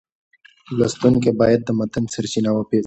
لوستونکی باید د متن سرچینه وپېژني.